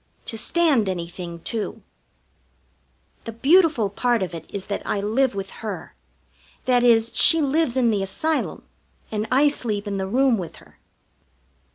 To stand anything, too. The beautiful part of it is that I live with her; that is, she lives in the Asylum, and I sleep in the room with her.